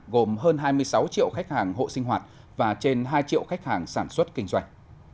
gồm hơn hai mươi sáu triệu khách hàng hộ sinh hoạt và trên hai triệu khách hàng sản xuất kinh doanh